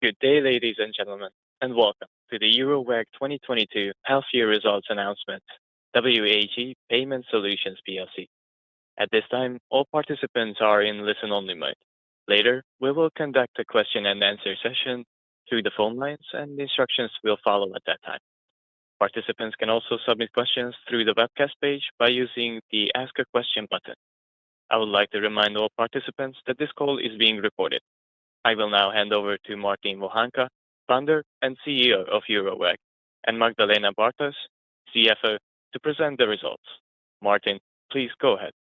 Good day, ladies and gentlemen, and welcome to the Eurowag 2022 half year results announcement W.A.G payment solutions plc. At this time, all participants are in listen only mode. Later, we will conduct a question and answer session through the phone lines, and instructions will follow at that time. Participants can also submit questions through the webcast page by using the ask a question button. I would like to remind all participants that this call is being recorded. I will now hand over to Martin Vohánka, Founder and CEO of Eurowag, and Magdalena Bartoś, CFO, to present the results. Martin, please go ahead.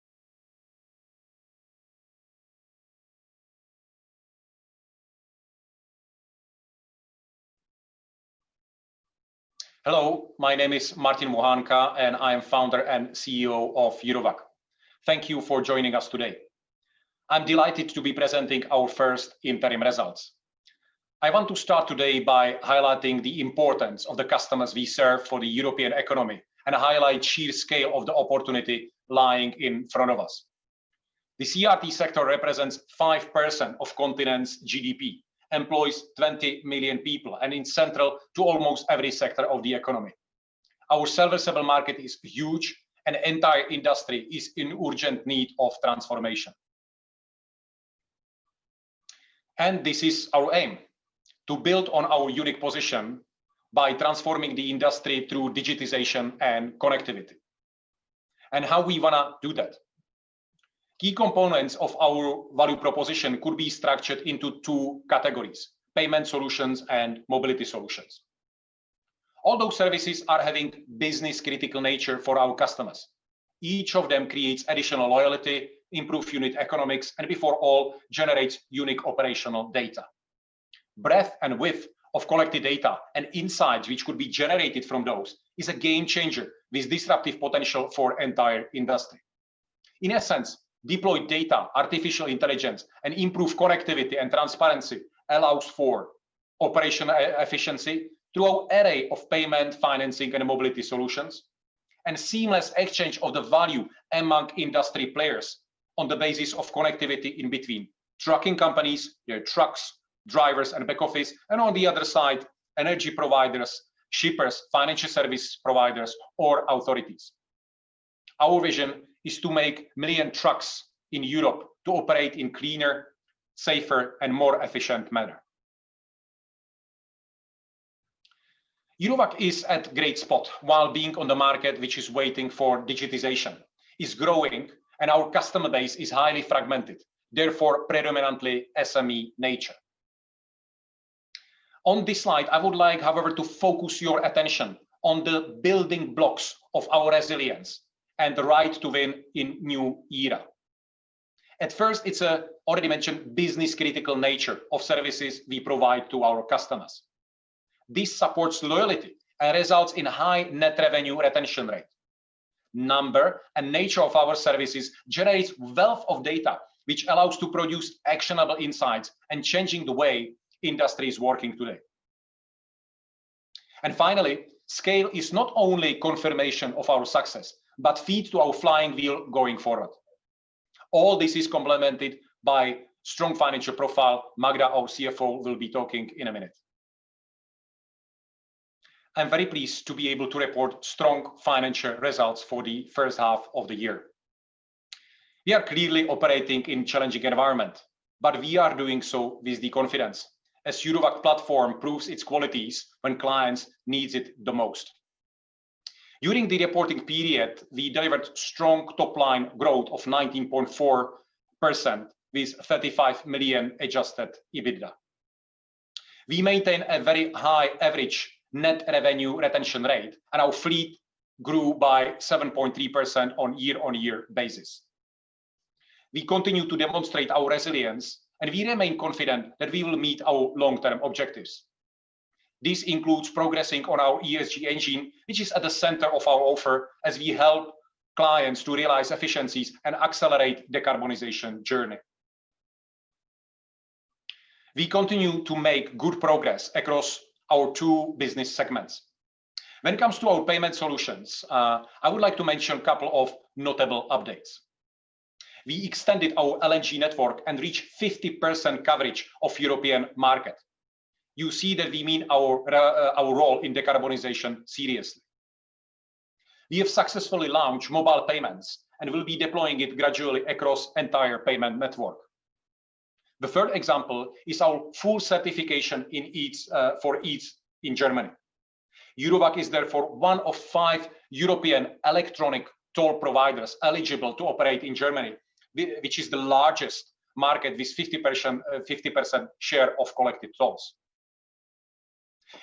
Hello, my name is Martin Vohánka, and I am Founder and CEO of Eurowag. Thank you for joining us today. I'm delighted to be presenting our first interim results. I want to start today by highlighting the importance of the customers we serve for the European economy and highlight sheer scale of the opportunity lying in front of us. The CRT sector represents 5% of continent's GDP, employs 20 million people, and is central to almost every sector of the economy. Our serviceable market is huge, and entire industry is in urgent need of transformation. This is our aim: to build on our unique position by transforming the industry through digitization and connectivity. How we wanna do that? Key components of our value proposition could be structured into two categories: payment solutions and mobility solutions. All those services are having business critical nature for our customers. Each of them creates additional loyalty, improve unit economics, and above all, generates unique operational data. Breadth and width of collected data and insights which could be generated from those is a game changer with disruptive potential for entire industry. In essence, deployed data, artificial intelligence, and improved connectivity and transparency allows for operational efficiency through an array of payment, financing, and mobility solutions, and seamless exchange of the value among industry players on the basis of connectivity in between trucking companies, their trucks, drivers and back office, and on the other side, energy providers, shippers, financial service providers or authorities. Our vision is to make million trucks in Europe to operate in cleaner, safer and more efficient manner. Eurowag is at great spot while being on the market which is waiting for digitization. It's growing and our customer base is highly fragmented, therefore predominantly SME nature. On this slide, I would like, however, to focus your attention on the building blocks of our resilience and the right to win in a new era. At first, it's already mentioned business-critical nature of services we provide to our customers. This supports loyalty and results in high net revenue retention rate. Number and nature of our services generates wealth of data, which allows to produce actionable insights and changing the way industry is working today. Finally, scale is not only confirmation of our success, but fuel to our flywheel going forward. All this is complemented by strong financial profile. Magda, our CFO, will be talking in a minute. I'm very pleased to be able to report strong financial results for the first half of the year. We are clearly operating in challenging environment, but we are doing so with the confidence as Eurowag platform proves its qualities when clients needs it the most. During the reporting period, we delivered strong top-line growth of 19.4% with 35 million adjusted EBITDA. We maintain a very high average net revenue retention rate, and our fleet grew by 7.3% on year-on-year basis. We continue to demonstrate our resilience, and we remain confident that we will meet our long-term objectives. This includes progressing on our ESG engine, which is at the center of our offer as we help clients to realize efficiencies and accelerate decarbonization journey. We continue to make good progress across our two business segments. When it comes to our payment solutions, I would like to mention a couple of notable updates. We extended our LNG network and reached 50% coverage of European market. You see that we mean our role in decarbonization seriously. We have successfully launched mobile payments and will be deploying it gradually across entire payment network. The third example is our full certification in EETS for EETS in Germany. Eurowag is therefore one of five European electronic toll providers eligible to operate in Germany, which is the largest market with 50% share of collected tolls.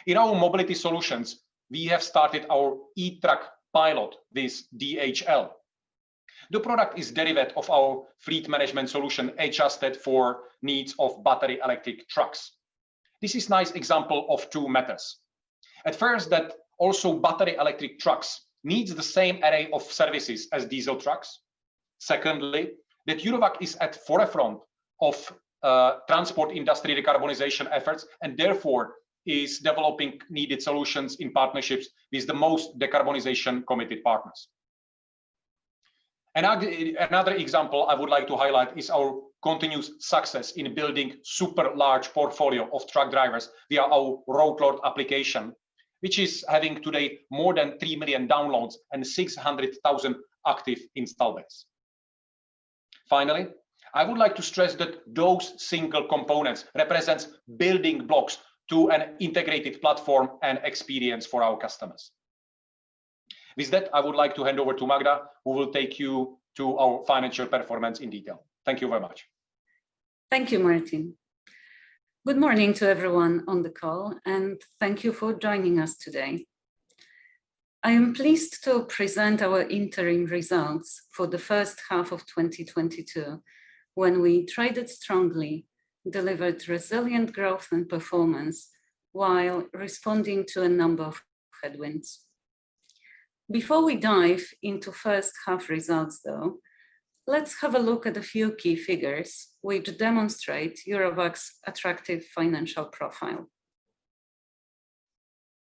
In our mobility solutions, we have started our e-truck pilot with DHL. The product is derivative of our fleet management solution adjusted for needs of battery electric trucks. This is nice example of two methods. At first, that also battery electric trucks needs the same array of services as diesel trucks. Secondly, that Eurowag is at forefront of transport industry decarbonization efforts and therefore is developing needed solutions in partnerships with the most decarbonization committed partners. Another example I would like to highlight is our continuous success in building super large portfolio of truck drivers via our RoadLords application, which is having today more than 3 million downloads and 600,000 active install base. Finally, I would like to stress that those single components represents building blocks to an integrated platform and experience for our customers. With that, I would like to hand over to Magda, who will take you to our financial performance in detail. Thank you very much. Thank you, Martin. Good morning to everyone on the call, and thank you for joining us today. I am pleased to present our interim results for the first half of 2022, when we traded strongly, delivered resilient growth and performance while responding to a number of headwinds. Before we dive into first half results, though, let's have a look at a few key figures which demonstrate Eurowag's attractive financial profile.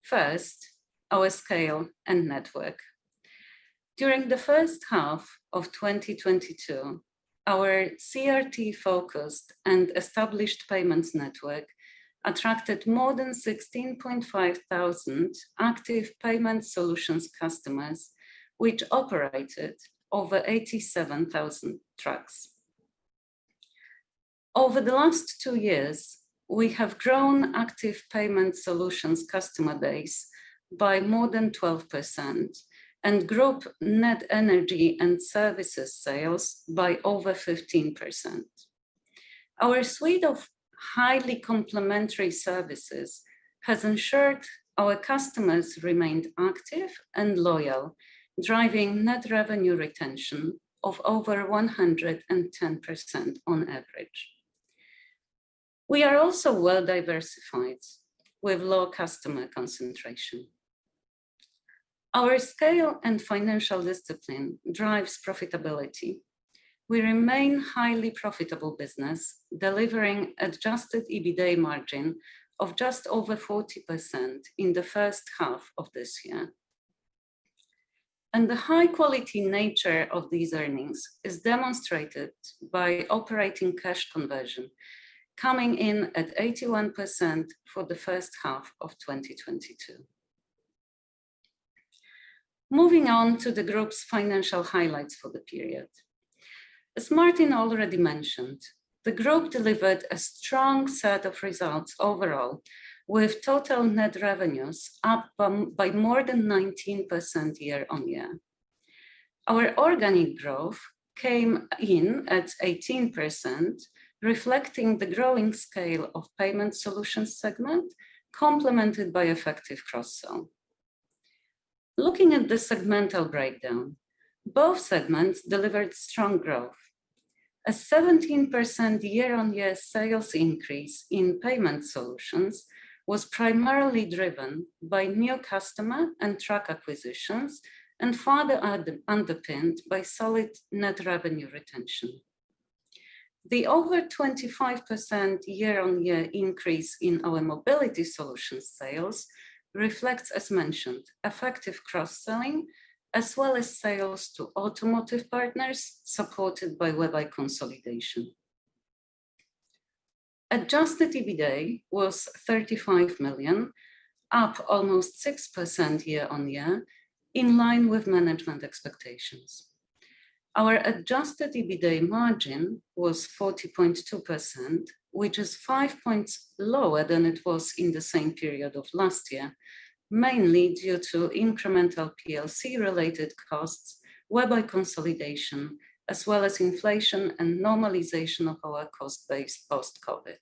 First, our scale and network. During the first half of 2022, our CRT-focused and established payments network attracted more than 16,500 active payment solutions customers, which operated over 87,000 trucks. Over the last two years, we have grown active payment solutions customer base by more than 12% and Group net energy and services sales by over 15%. Our suite of highly complementary services has ensured our customers remained active and loyal, driving net revenue retention of over 110% on average. We are also well-diversified, with low customer concentration. Our scale and financial discipline drives profitability. We remain highly profitable business, delivering adjusted EBITA margin of just over 40% in the first half of this year. The high quality nature of these earnings is demonstrated by operating cash conversion, coming in at 81% for the first half of 2022. Moving on to the Group's financial highlights for the period. As Martin already mentioned, the Group delivered a strong set of results overall, with total net revenues up by more than 19% year-on-year. Our organic growth came in at 18%, reflecting the growing scale of Payment solutions segment, complemented by effective cross-sell. Looking at the segmental breakdown, both segments delivered strong growth. A 17% year-on-year sales increase in payment solutions was primarily driven by new customer and truck acquisitions and further underpinned by solid net revenue retention. The over 25% year-on-year increase in our mobility solutions sales reflects, as mentioned, effective cross-selling as well as sales to automotive partners supported by WebEye consolidation. Adjusted EBITA was 35 million, up almost 6% year-on-year, in line with management expectations. Our adjusted EBITA margin was 40.2%, which is five points lower than it was in the same period of last year, mainly due to incremental PLC related costs, WebEye consolidation, as well as inflation and normalization of our cost base post-COVID.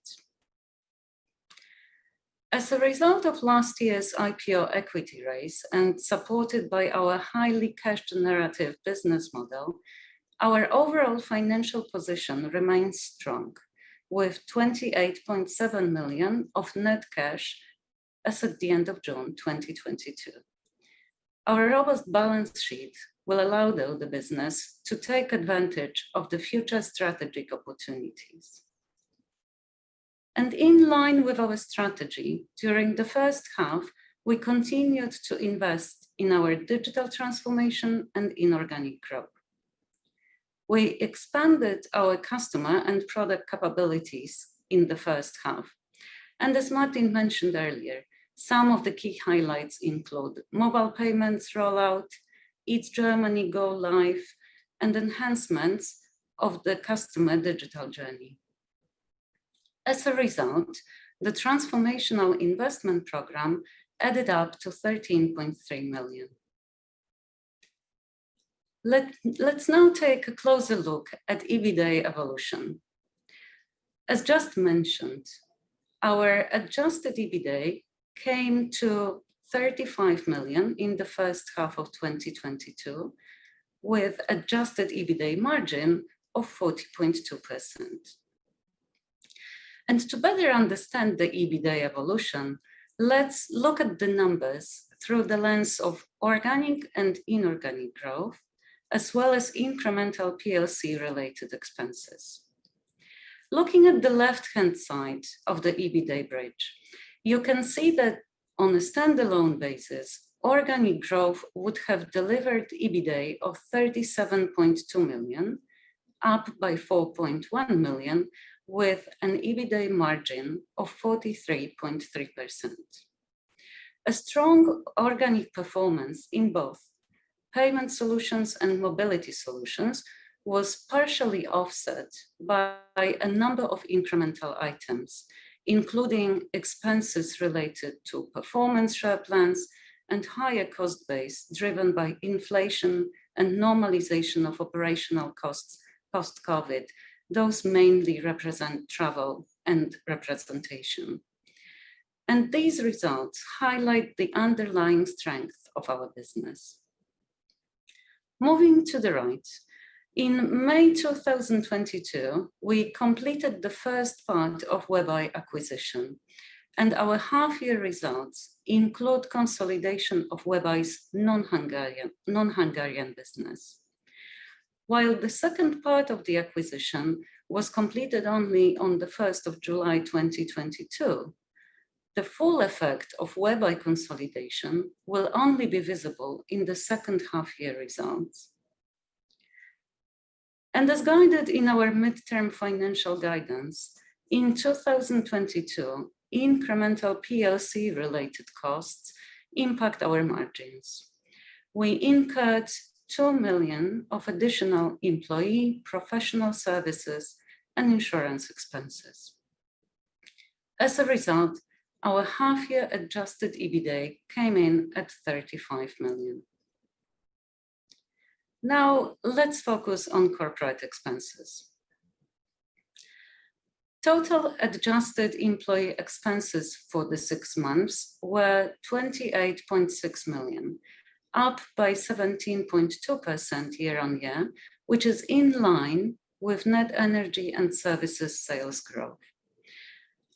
As a result of last year's IPO equity raise and supported by our highly cash generative business model, our overall financial position remains strong with 28.7 million of net cash as of the end of June 2022. Our robust balance sheet will allow the business to take advantage of the future strategic opportunities. In line with our strategy, during the first half, we continued to invest in our digital transformation and inorganic growth. We expanded our customer and product capabilities in the first half. As Martin mentioned earlier, some of the key highlights include mobile payments rollout, EETS Germany go live, and enhancements of the customer digital journey. As a result, the transformational investment program added up to 13.3 million. Let's now take a closer look at EBITA evolution. As just mentioned, our adjusted EBITA came to 35 million in the first half of 2022, with adjusted EBITA margin of 40.2%. To better understand the EBITA evolution, let's look at the numbers through the lens of organic and inorganic growth, as well as incremental PLC related expenses. Looking at the left-hand side of the EBITA bridge, you can see that on a standalone basis, organic growth would have delivered EBITA of 37.2 million, up by 4.1 million, with an EBITA margin of 43.3%. A strong organic performance in both payment solutions and mobility solutions was partially offset by a number of incremental items, including expenses related to performance share plans and higher cost base driven by inflation and normalization of operational costs post-COVID. Those mainly represent travel and representation. These results highlight the underlying strength of our business. Moving to the right, in May 2022, we completed the first part of WebEye acquisition, and our half-year results include consolidation of WebEye's non-Hungarian business. While the second part of the acquisition was completed only on 1st July 2022, the full effect of WebEye consolidation will only be visible in the second half-year results. As guided in our mid-term financial guidance, in 2022, incremental PLC-related costs impact our margins. We incurred 2 million of additional employee professional services and insurance expenses. As a result, our half-year adjusted EBITA came in at 35 million. Now, let's focus on corporate expenses. Total adjusted employee expenses for the six months were 28.6 million, up 17.2% year-on-year, which is in line with net energy and services sales growth.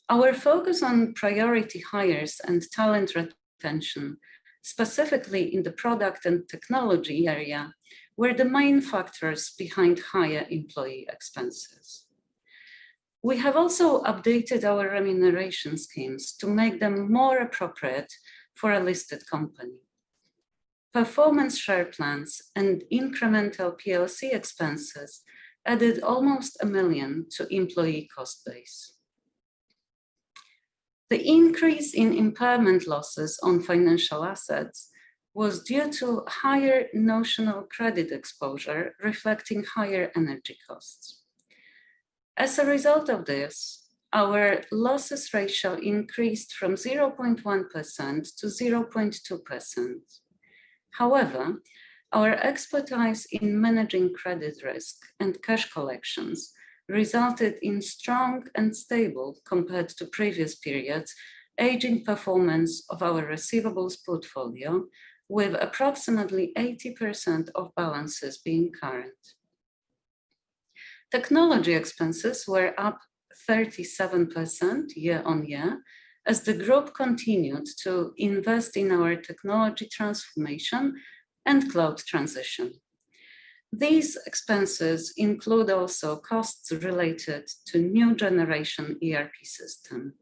Our focus on priority hires and talent retention, specifically in the product and technology area, were the main factors behind higher employee expenses. We have also updated our remuneration schemes to make them more appropriate for a listed company. Performance share plans and incremental PLC expenses added almost 1 million to employee cost base. The increase in impairment losses on financial assets was due to higher notional credit exposure reflecting higher energy costs. As a result of this, our losses ratio increased from 0.1% to 0.2%. However, our expertise in managing credit risk and cash collections resulted in strong and stable, compared to previous periods, aging performance of our receivables portfolio, with approximately 80% of balances being current. Technology expenses were up 37% year-on-year as the group continued to invest in our technology transformation and cloud transition. These expenses include also costs related to new generation ERP system.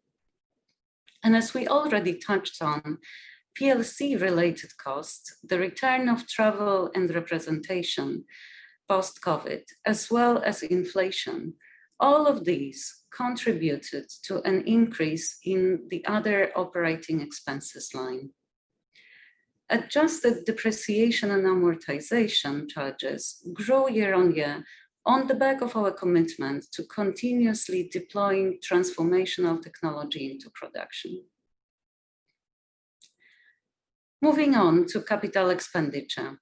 As we already touched on, PLC related costs, the return of travel and representation post-COVID, as well as inflation, all of these contributed to an increase in the other operating expenses line. Adjusted depreciation and amortization charges grow year on year on the back of our commitment to continuously deploying transformational technology into production. Moving on to capital expenditure.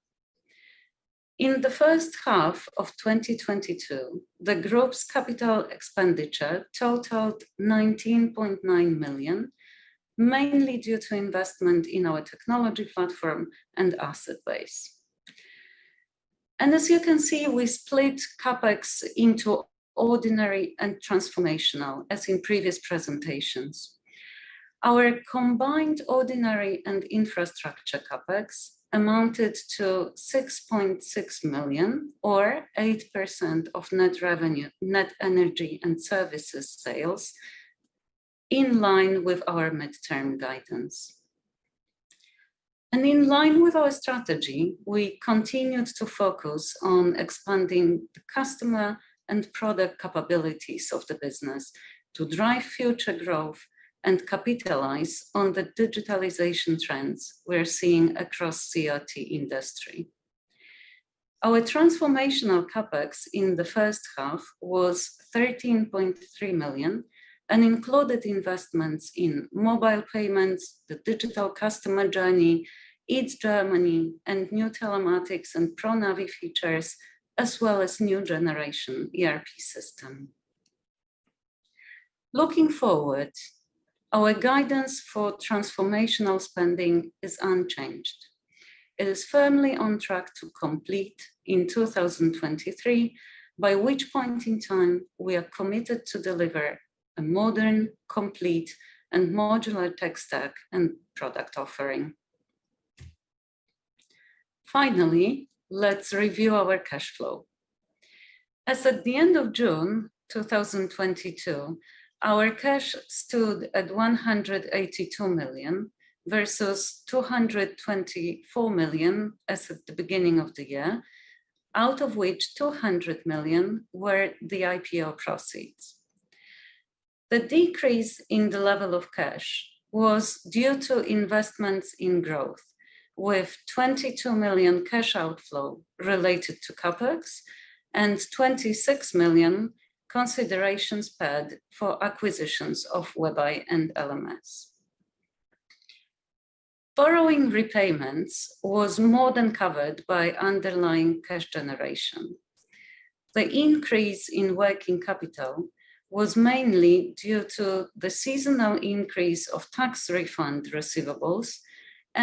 In the first half of 2022, the group's capital expenditure totaled 19.9 million, mainly due to investment in our technology platform and asset base. As you can see, we split CapEx into ordinary and transformational, as in previous presentations. Our combined ordinary and infrastructure CapEx amounted to 6.6 million or 8% of net revenue, net energy and services sales, in line with our midterm guidance. In line with our strategy, we continued to focus on expanding the customer and product capabilities of the business to drive future growth and capitalize on the digitalization trends we're seeing across CRT industry. Our transformational CapEx in the first half was 13.3 million and included investments in mobile payments, the digital customer journey, EETS Germany, and new telematics and ProNavi features, as well as new generation ERP system. Looking forward, our guidance for transformational spending is unchanged. It is firmly on track to complete in 2023, by which point in time we are committed to deliver a modern, complete, and modular tech stack and product offering. Finally, let's review our cash flow. As at the end of June 2022, our cash stood at 182 million versus 224 million as at the beginning of the year, out of which 200 million were the IPO proceeds. The decrease in the level of cash was due to investments in growth, with 22 million cash outflow related to CapEx and 26 million considerations paid for acquisitions of WebEye and LMS. Borrowing repayments was more than covered by underlying cash generation. The increase in working capital was mainly due to the seasonal increase of tax refund receivables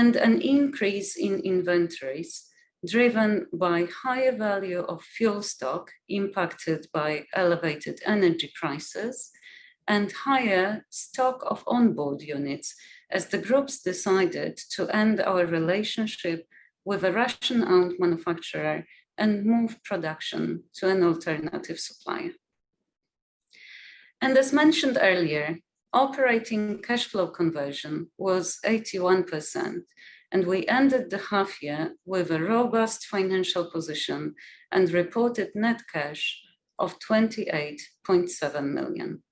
and an increase in inventories driven by higher value of fuel stock impacted by elevated energy prices and higher stock of onboard units as the groups decided to end our relationship with a Russian-owned manufacturer and move production to an alternative supplier. As mentioned earlier, operating cash flow conversion was 81%, and we ended the half year with a robust financial position and reported net cash of 28.7 million.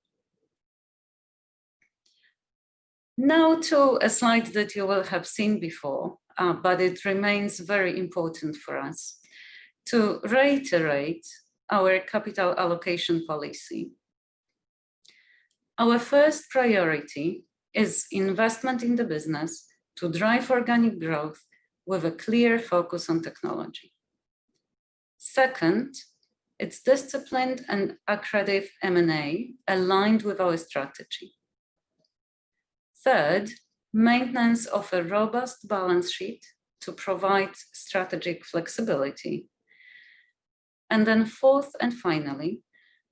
Now to a slide that you will have seen before, but it remains very important for us to reiterate our capital allocation policy. Our first priority is investment in the business to drive organic growth with a clear focus on technology. Second, it's disciplined and accretive M&A aligned with our strategy. Third, maintenance of a robust balance sheet to provide strategic flexibility. Then fourth and finally,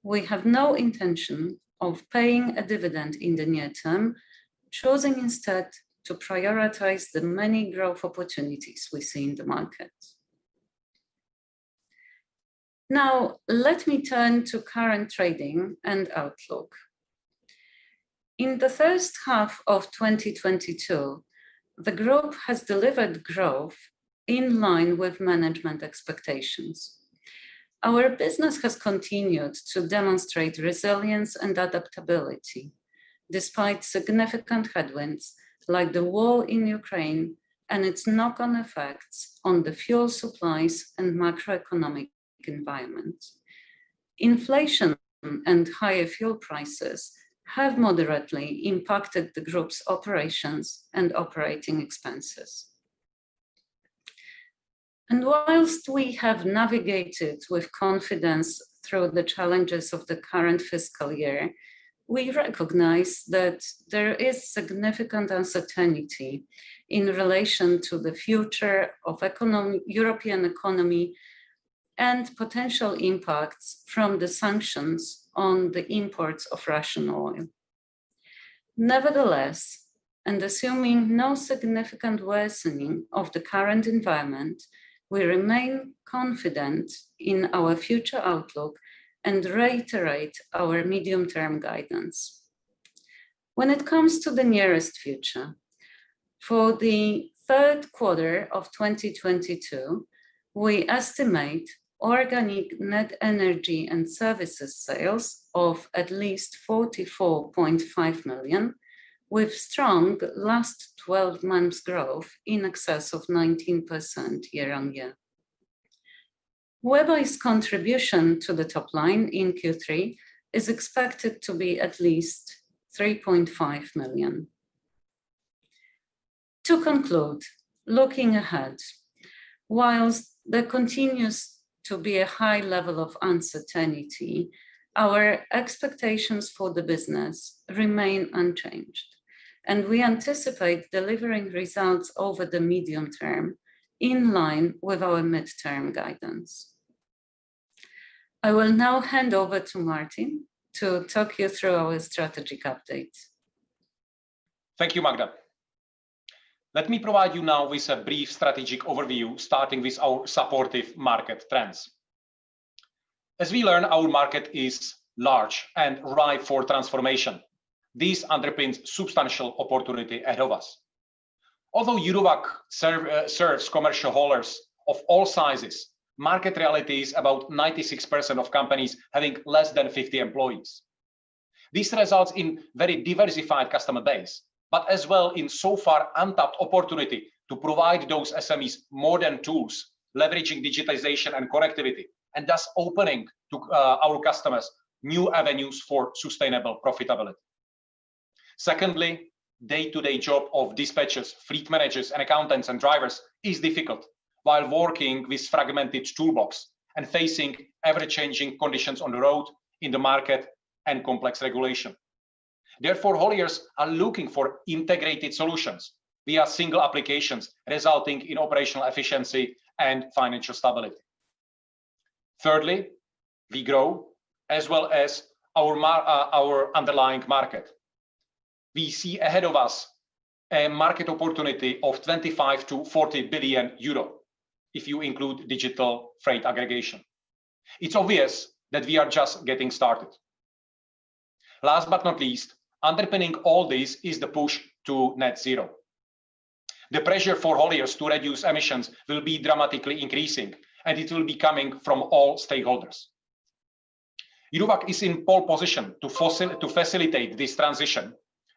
we have no intention of paying a dividend in the near term, choosing instead to prioritize the many growth opportunities we see in the market. Now, let me turn to current trading and outlook. In the first half of 2022, the group has delivered growth in line with management expectations. Our business has continued to demonstrate resilience and adaptability despite significant headwinds like the war in Ukraine and its knock-on effects on the fuel supplies and macroeconomic environment. Inflation and higher fuel prices have moderately impacted the group's operations and operating expenses. While we have navigated with confidence through the challenges of the current fiscal year, we recognize that there is significant uncertainty in relation to the future of European economy and potential impacts from the sanctions on the imports of Russian oil. Nevertheless, and assuming no significant worsening of the current environment, we remain confident in our future outlook and reiterate our medium-term guidance. When it comes to the nearest future, for the third quarter of 2022, we estimate organic net energy and services sales of at least 44.5 million, with strong last twelve months growth in excess of 19% year-on-year. WebEye's contribution to the top line in Q3 is expected to be at least 3.5 million. To conclude, looking ahead, while there continues to be a high level of uncertainty, our expectations for the business remain unchanged, and we anticipate delivering results over the medium term in line with our midterm guidance. I will now hand over to Martin to talk you through our strategic update. Thank you, Magdalena. Let me provide you now with a brief strategic overview starting with our supportive market trends. As we learn, our market is large and ripe for transformation. This underpins substantial opportunity ahead of us. Although Eurowag serves commercial haulers of all sizes, market reality is about 96% of companies having less than 50 employees. This results in very diversified customer base, but as well in so far untapped opportunity to provide those SMEs more than tools, leveraging digitization and connectivity, and thus opening to our customers new avenues for sustainable profitability. Secondly, day-to-day job of dispatchers, fleet managers, and accountants and drivers is difficult while working with fragmented toolbox and facing ever-changing conditions on the road, in the market, and complex regulation. Therefore, haulers are looking for integrated solutions via single applications resulting in operational efficiency and financial stability. Thirdly, we grow as well as our underlying market. We see ahead of us a market opportunity of 25-40 billion euro if you include digital freight aggregation. It's obvious that we are just getting started. Last but not least, underpinning all this is the push to net zero. The pressure for haulers to reduce emissions will be dramatically increasing, and it will be coming from all stakeholders. Eurowag is in pole position to facilitate this transition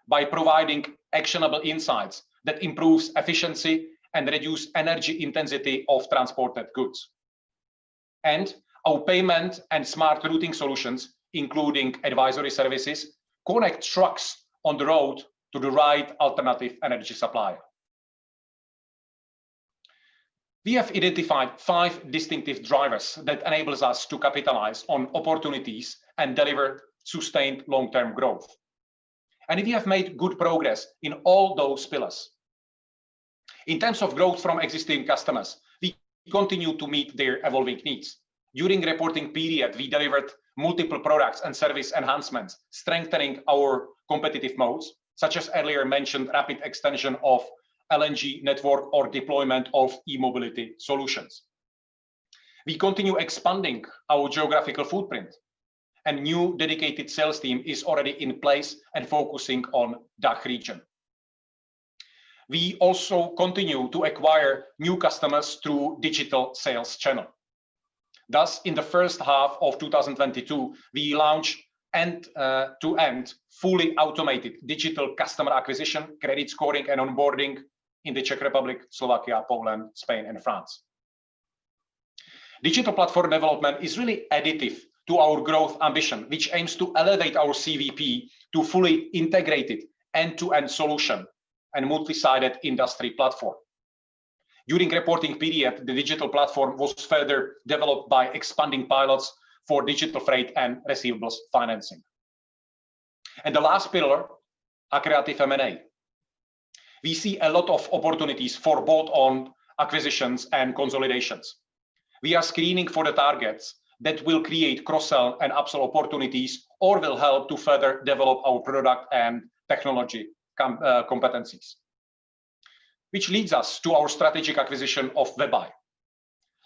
by providing actionable insights that improves efficiency and reduce energy intensity of transported goods. Our payment and smart routing solutions, including advisory services, connect trucks on the road to the right alternative energy supplier. We have identified five distinctive drivers that enable us to capitalize on opportunities and deliver sustained long-term growth. We have made good progress in all those pillars. In terms of growth from existing customers, we continue to meet their evolving needs. During reporting period, we delivered multiple products and service enhancements, strengthening our competitive moats, such as earlier-mentioned rapid extension of LNG network or deployment of e-mobility solutions. We continue expanding our geographical footprint and new dedicated sales team is already in place and focusing on DACH region. We also continue to acquire new customers through digital sales channel. Thus, in the first half of 2022, we launched end-to-end fully automated digital customer acquisition, credit scoring, and onboarding in the Czech Republic, Slovakia, Poland, Spain, and France. Digital platform development is really additive to our growth ambition, which aims to elevate our CVP to fully integrate into an end-to-end solution and multi-sided industry platform. During reporting period, the digital platform was further developed by expanding pilots for digital freight and receivables financing. The last pillar, accretive M&A. We see a lot of opportunities for bolt-on acquisitions and consolidations. We are screening for the targets that will create cross-sell and upsell opportunities or will help to further develop our product and technology competencies. Which leads us to our strategic acquisition of WebEye.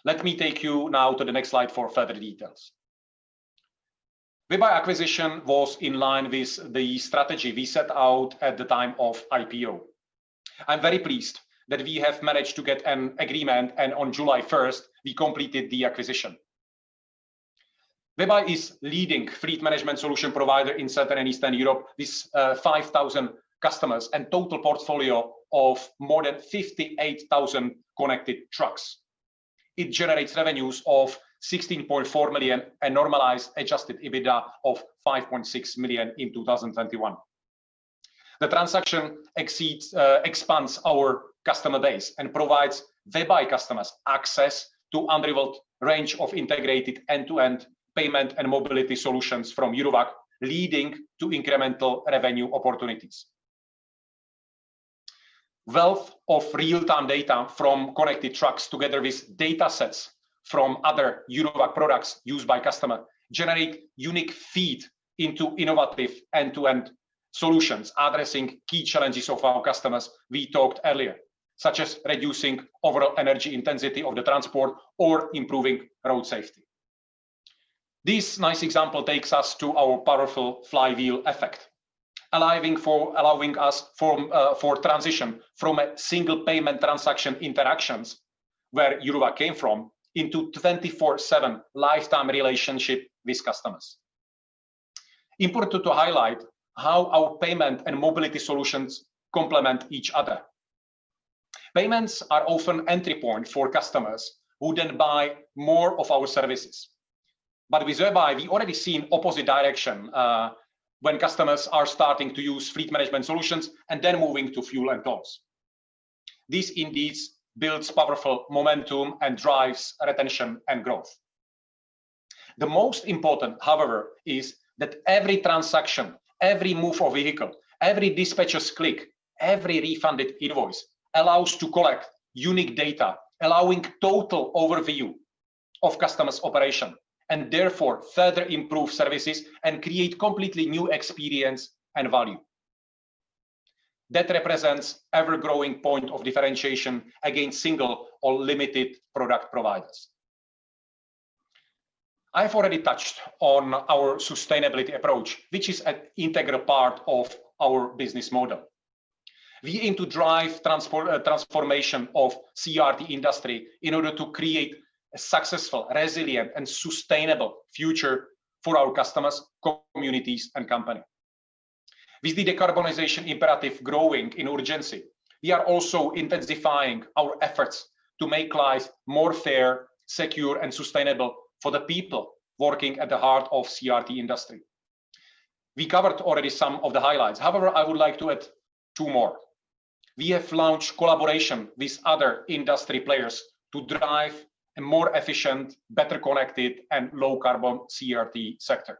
Let me take you now to the next slide for further details. WebEye acquisition was in line with the strategy we set out at the time of IPO. I'm very pleased that we have managed to get an agreement, and on 1st July, we completed the acquisition. WebEye is leading fleet management solution provider in Southern Eastern Europe with 5,000 customers and total portfolio of more than 58,000 connected trucks. It generates revenues of 16.4 million and normalized adjusted EBITDA of 5.6 million in 2021. The transaction expands our customer base and provides WebEye customers access to unrivaled range of integrated end-to-end payment and mobility solutions from Eurowag, leading to incremental revenue opportunities. Wealth of real-time data from connected trucks together with datasets from other Eurowag products used by customer generate unique feed into innovative end-to-end solutions addressing key challenges of our customers we talked earlier, such as reducing overall energy intensity of the transport or improving road safety. This nice example takes us to our powerful flywheel effect, allowing for transition from a single payment transaction interactions where Eurowag came from into 24/7 lifetime relationship with customers. Important to highlight how our payment and mobility solutions complement each other. Payments are often entry point for customers who then buy more of our services. With WebEye, we already see an opposite direction, when customers are starting to use fleet management solutions and then moving to fuel and tolls. This indeed builds powerful momentum and drives retention and growth. The most important, however, is that every transaction, every move of vehicle, every dispatcher's click, every refunded invoice allows to collect unique data, allowing total overview of customers' operation and therefore further improve services and create completely new experience and value. That represents ever-growing point of differentiation against single or limited product providers. I've already touched on our sustainability approach, which is an integral part of our business model. We aim to drive transformation of CRT industry in order to create a successful, resilient and sustainable future for our customers, communities and company. With the decarbonization imperative growing in urgency, we are also intensifying our efforts to make lives more fair, secure and sustainable for the people working at the heart of CRT industry. We covered already some of the highlights. However, I would like to add two more. We have launched collaboration with other industry players to drive a more efficient, better connected and low carbon CRT sector.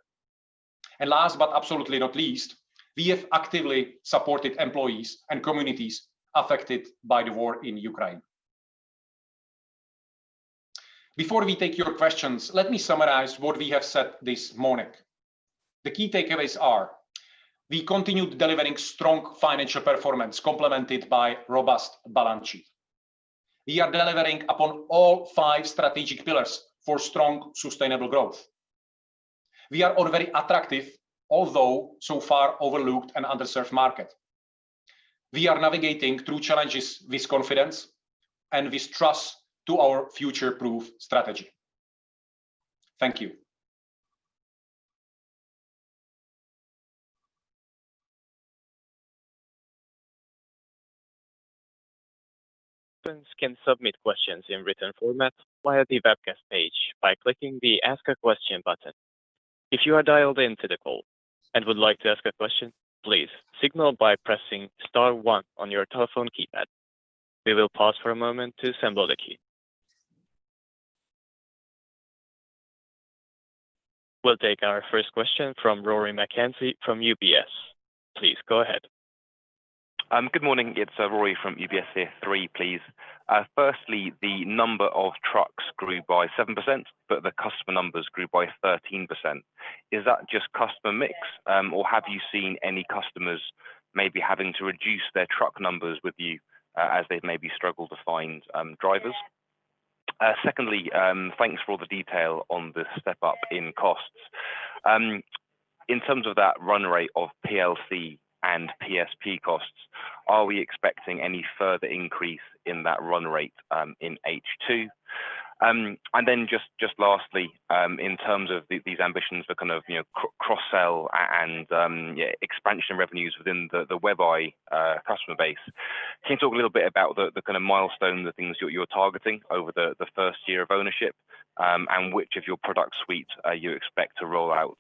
Last but absolutely not least, we have actively supported employees and communities affected by the war in Ukraine. Before we take your questions, let me summarize what we have said this morning. The key takeaways are we continued delivering strong financial performance complemented by robust balance sheet. We are delivering upon all five strategic pillars for strong, sustainable growth. We are a very attractive although so far overlooked and underserved market. We are navigating through challenges with confidence and with trust to our future-proof strategy. Thank you. Audience can submit questions in written format via the webcast page by clicking the Ask a Question button. If you are dialed into the call and would like to ask a question, please signal by pressing star one on your telephone keypad. We will pause for a moment to assemble the queue. We'll take our first question from Rory McKenzie from UBS. Please go ahead. Good morning. It's Rory from UBS here. Three, please. Firstly, the number of trucks grew by 7%, but the customer numbers grew by 13%. Is that just customer mix, or have you seen any customers maybe having to reduce their truck numbers with you, as they maybe struggle to find drivers? Secondly, thanks for all the detail on the step up in costs. In terms of that run rate of PLC and PSP costs, are we expecting any further increase in that run rate in H2? And then just lastly, in terms of these ambitions for kind of, you know, cross-sell and yeah, expansion revenues within the WebEye customer base. Can you talk a little bit about the kinda milestone, the things you're targeting over the first year of ownership, and which of your product suite you expect to roll out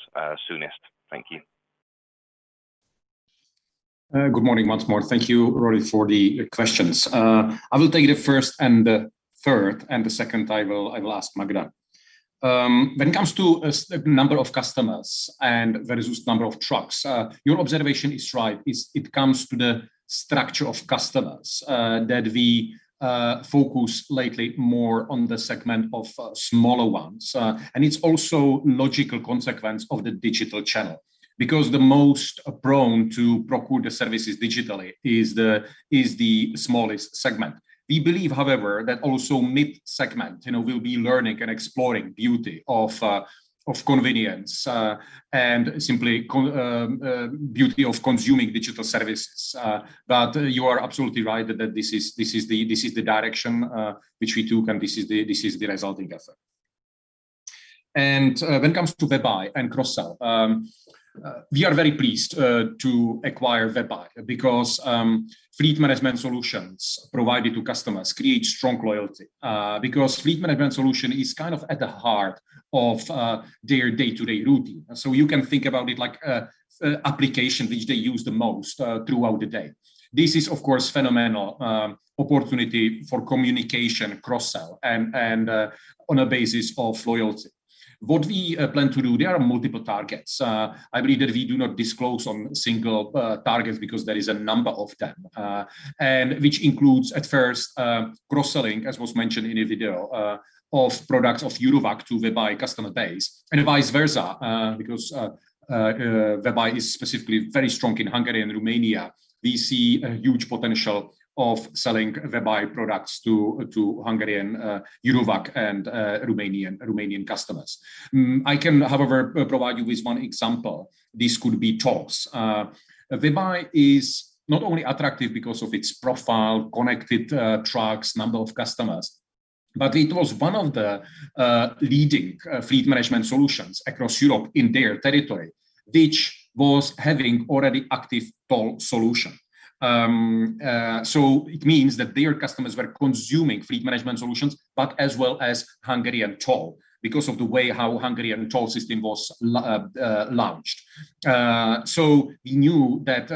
soonest? Thank you. Good morning once more. Thank you, Rory, for the questions. I will take the first and the third, and the second I will ask Magda. When it comes to the number of customers versus number of trucks, your observation is right. It comes to the structure of customers that we focus lately more on the segment of smaller ones. It's also logical consequence of the digital channel because the most prone to procure the services digitally is the smallest segment. We believe, however, that also mid segment, you know, will be learning and exploring beauty of convenience and simply beauty of consuming digital services. You are absolutely right that this is the direction which we took and this is the resulting effect. When it comes to WebEye and cross-sell, we are very pleased to acquire WebEye because fleet management solutions provided to customers create strong loyalty. Because fleet management solution is kind of at the heart of their day-to-day routine. You can think about it like an application which they use the most throughout the day. This is of course phenomenal opportunity for communication cross-sell and on a basis of loyalty. What we plan to do, there are multiple targets. I believe that we do not disclose on single targets because there is a number of them. Which includes at first cross-selling, as was mentioned in the video, of products of Eurowag to WebEye customer base and vice versa. Because WebEye is specifically very strong in Hungary and Romania. We see a huge potential of selling WebEye products to Hungarian Eurowag and Romanian customers. I can however provide you with one example. This could be tolls. WebEye is not only attractive because of its profile, connected trucks, number of customers, but it was one of the leading fleet management solutions across Europe in their territory, which was having already active toll solution. It means that their customers were consuming fleet management solutions, but as well as Hungarian toll because of the way how Hungarian toll system was launched. We knew that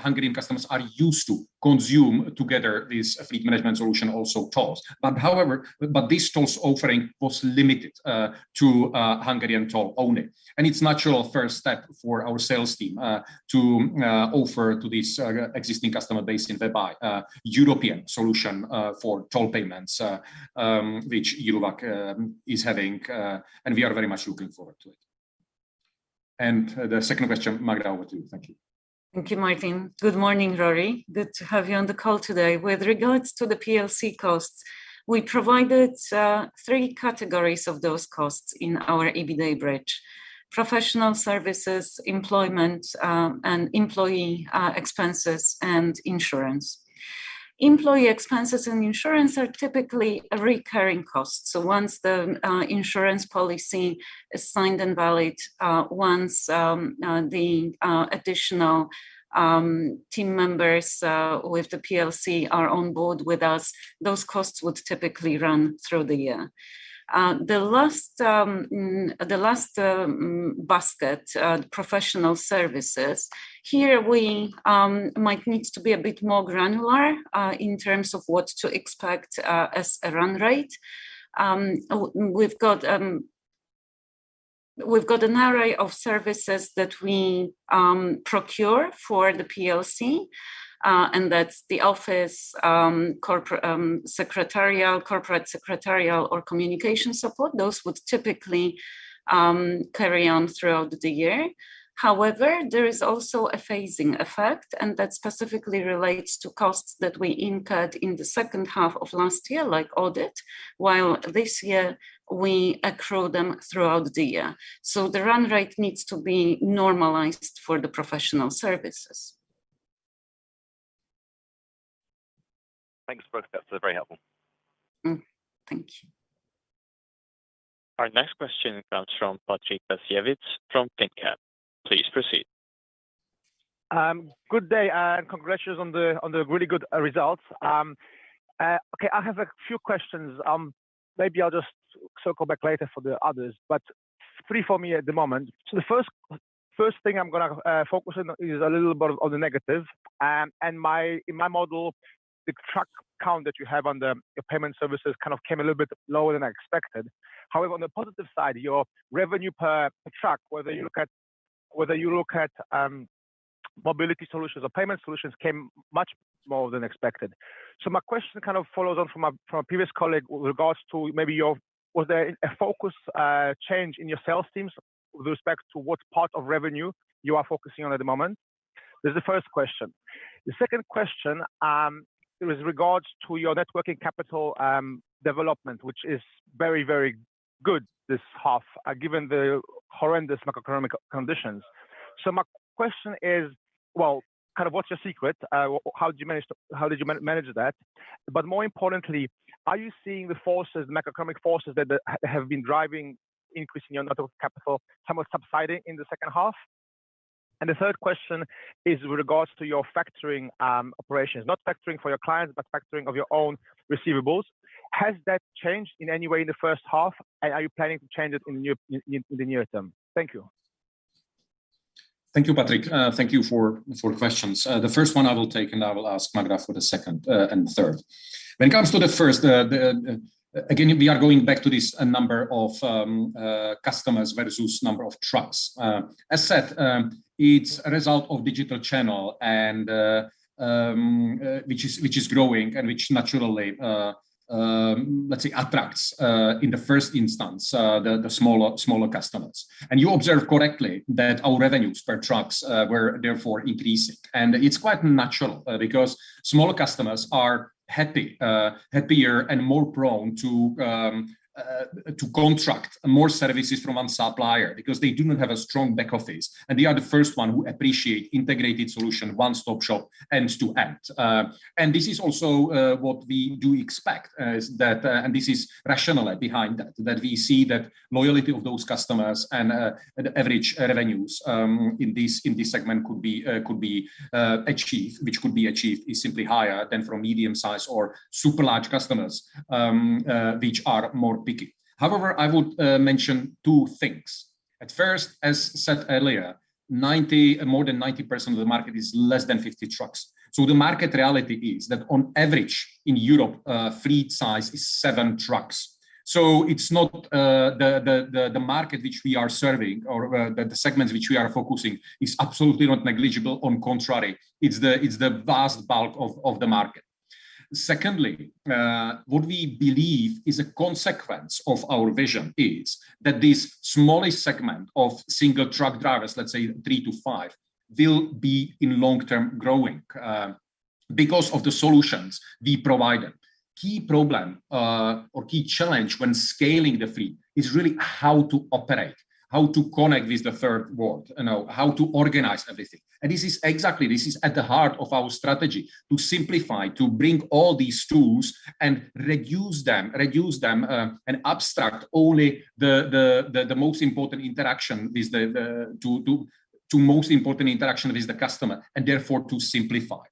Hungarian customers are used to consume together this fleet management solution also tolls. However, this tolls offering was limited to Hungarian toll only. It's natural first step for our sales team to offer to this existing customer base in WebEye a European solution for toll payments which Eurowag is having. We are very much looking forward to it. The second question, Magda, over to you. Thank you. Thank you, Martin. Good morning, Rory. Good to have you on the call today. With regards to the PLC costs, we provided three categories of those costs in our EBITDA bridge. Professional services, employment, and employee expenses and insurance. Employee expenses and insurance are typically a recurring cost. Once the insurance policy is signed and valid, once the additional team members with the PLC are on board with us, those costs would typically run through the year. The last basket, professional services, here we might need to be a bit more granular in terms of what to expect as a run rate. We've got an array of services that we procure for the PLC, and that's the office, corporate secretarial or communication support. Those would typically carry on throughout the year. However, there is also a phasing effect, and that specifically relates to costs that we incurred in the second half of last year, like audit, while this year we accrue them throughout the year. The run rate needs to be normalized for the professional services. Thanks, Rory McKenzie. That's very helpful. Mm-hmm. Thank you. Our next question comes from Patrick Basiewicz from finnCap. Please proceed. Good day, and congratulations on the really good results. Okay, I have a few questions. Maybe I'll just circle back later for the others, but it's free for me at the moment. The first thing I'm gonna focus on is a little bit on the negative. In my model, the truck count that you have on the payment services kind of came a little bit lower than expected. However, on the positive side, your revenue per truck, whether you look at Mobility solutions or Payment solutions, came much more than expected. My question kind of follows on from a previous colleague with regards to maybe your. Was there a focus change in your sales teams with respect to what part of revenue you are focusing on at the moment? This is the first question. The second question is with regards to your working capital development, which is very, very good this half, given the horrendous macroeconomic conditions. My question is, well, kind of what's your secret? How did you manage that? But more importantly, are you seeing the macroeconomic forces that have been driving increase in your working capital somewhat subsiding in the second half? The third question is with regards to your factoring operations. Not factoring for your clients, but factoring of your own receivables. Has that changed in any way in the first half? Are you planning to change it in the near term? Thank you. Thank you, Patrick. Thank you for the questions. The first one I will take, and I will ask Magda for the second and the third. When it comes to the first, the again, we are going back to this number of customers versus number of trucks. As said, it's a result of digital channel and which is growing and which naturally let's say attracts in the first instance the smaller customers. You observe correctly that our revenues per trucks were therefore increasing. It's quite natural because smaller customers are happy, happier and more prone to contract more services from one supplier because they do not have a strong back office, and they are the first one who appreciate integrated solution, one-stop shop, end-to-end. This is also what we do expect is that, and this is rationale behind that we see that loyalty of those customers and the average revenues in this segment could be achieved, which is simply higher than from medium size or super large customers, which are more picky. However, I would mention two things. At first, as said earlier, more than 90% of the market is less than 50 trucks. The market reality is that on average in Europe, fleet size is seven trucks. It's not the market which we are serving or the segments which we are focusing is absolutely not negligible. On the contrary, it's the vast bulk of the market. Secondly, what we believe is a consequence of our vision is that this smallest segment of single truck drivers, let's say three to five, will be in long-term growing because of the solutions we provided. Key problem or key challenge when scaling the fleet is really how to operate, how to connect with the third world, you know, how to organize everything. This is exactly at the heart of our strategy, to simplify, to bring all these tools and reduce them, and abstract only the most important interaction with the customer, and therefore to simplify.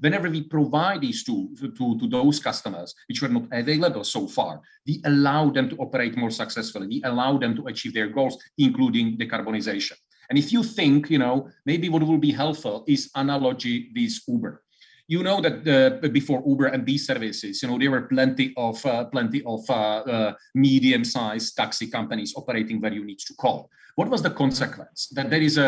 Whenever we provide these tools to those customers which were not available so far, we allow them to operate more successfully. We allow them to achieve their goals, including decarbonization. If you think, you know, maybe what will be helpful is analogy with Uber. You know that before Uber and these services, you know, there were plenty of medium-sized taxi companies operating where you need to call. What was the consequence? There is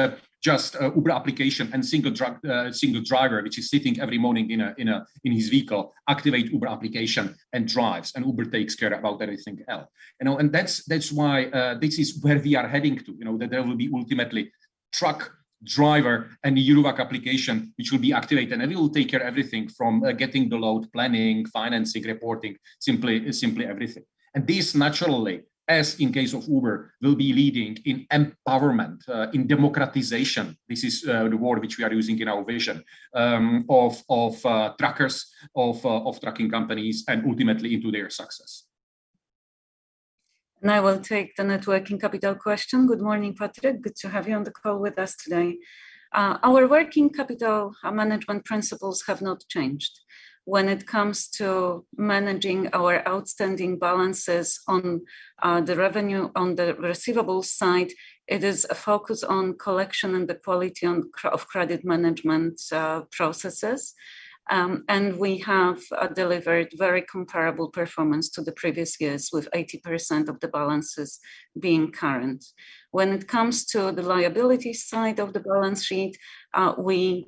just an Uber application and a single truck driver, who is sitting every morning in his vehicle, activates the Uber application and drives, and Uber takes care of everything else. You know, that's why this is where we are heading. You know, that there will ultimately be a truck driver and a Eurowag application which will be activated, and it will take care of everything from getting the load, planning, financing, reporting, simply everything. This naturally, as in the case of Uber, will be leading to empowerment, to democratization. This is the word which we are using in our vision of truckers, of trucking companies, and ultimately to their success. I will take the net working capital question. Good morning, Patrick Basiewicz. Good to have you on the call with us today. Our working capital, our management principles have not changed. When it comes to managing our outstanding balances on the revenue and receivable side, it is a focus on collection and the quality of credit management processes. We have delivered very comparable performance to the previous years with 80% of the balances being current. When it comes to the liability side of the balance sheet, we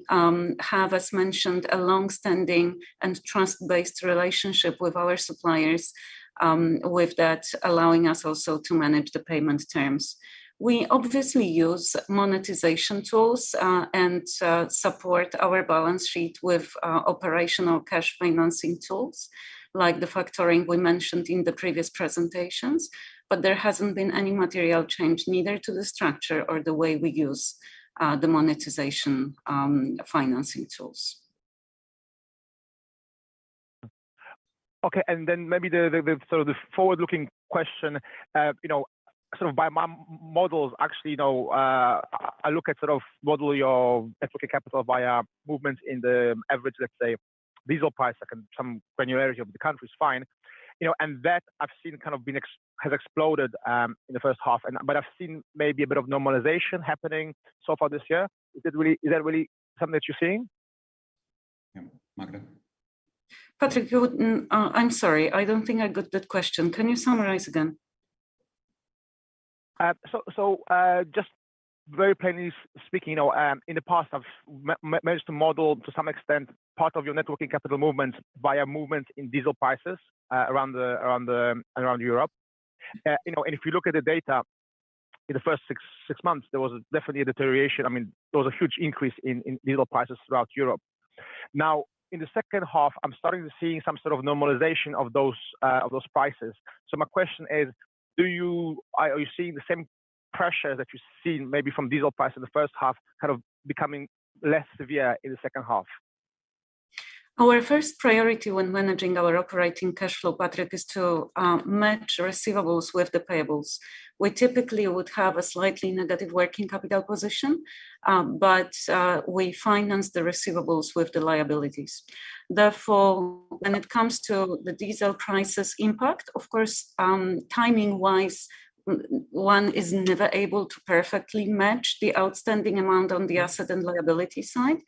have, as mentioned, a long-standing and trust-based relationship with our suppliers, with that allowing us also to manage the payment terms. We obviously use monetization tools and support our balance sheet with operational cash financing tools, like the factoring we mentioned in the previous presentations. There hasn't been any material change neither to the structure or the way we use the monetization financing tools. Okay. Maybe the sort of forward-looking question. You know, sort of by month-over-month models, actually, you know, I look at sort of model your equity capital via movement in the average, let's say, diesel price, like in some granularity by country is fine. You know, and that I've seen kind of has exploded in the first half. I've seen maybe a bit of normalization happening so far this year. Is that really something that you're seeing? Yeah. Magda. Patrick, I'm sorry. I don't think I got that question. Can you summarize again? Just very plainly speaking, you know, in the past I've managed to model to some extent part of your net working capital movement via movement in diesel prices around Europe. You know, if you look at the data, in the first six months, there was definitely a deterioration. I mean, there was a huge increase in diesel prices throughout Europe. Now, in the second half, I'm starting to see some sort of normalization of those prices. My question is, are you seeing the same pressure that you seen maybe from diesel prices in the first half kind of becoming less severe in the second half? Our first priority when managing our operating cash flow, Patrick, is to match receivables with the payables. We typically would have a slightly negative working capital position, but we finance the receivables with the liabilities. Therefore, when it comes to the diesel crisis impact, of course, timing-wise one is never able to perfectly match the outstanding amount on the asset and liability side.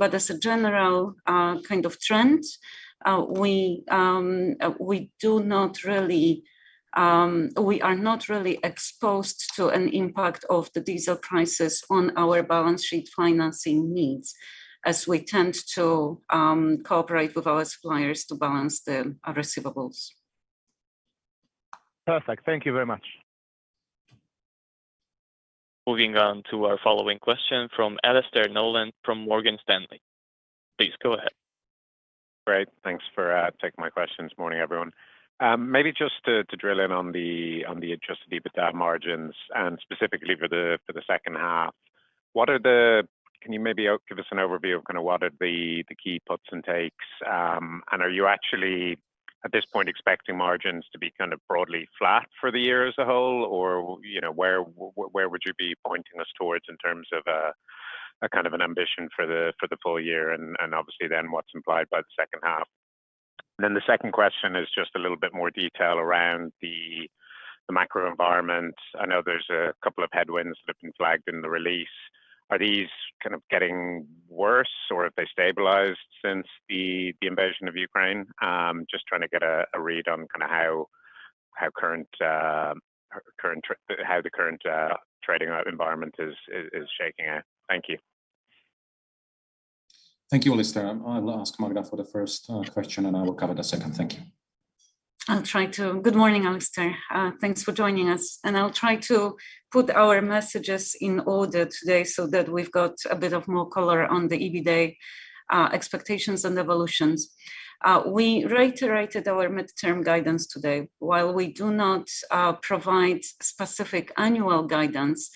As a general kind of trend, we are not really exposed to an impact of the diesel crisis on our balance sheet financing needs, as we tend to cooperate with our suppliers to balance the receivables. Perfect. Thank you very much. Moving on to our following question from Alastair Nolan from Morgan Stanley. Please go ahead. Great. Thanks for taking my questions. Morning, everyone. Maybe just to drill in on the adjusted EBITDA margins and specifically for the second half, can you maybe give us an overview of kind of what are the key puts and takes? Are you actually at this point expecting margins to be kind of broadly flat for the year as a whole? Or, you know, where would you be pointing us towards in terms of a kind of an ambition for the full year and obviously then what's implied by the second half? The second question is just a little bit more detail around the macro environment. I know there's a couple of headwinds that have been flagged in the release. Are these kind of getting worse, or have they stabilized since the invasion of Ukraine? Just trying to get a read on kinda how the current trading environment is shaking out. Thank you. Thank you, Alastair. I'll ask Magda for the first question, and I will cover the second. Thank you. I'll try to. Good morning, Alastair. Thanks for joining us. I'll try to put our messages in order today so that we've got a bit more color on the EBITA expectations and evolutions. We reiterated our midterm guidance today. While we do not provide specific annual guidance,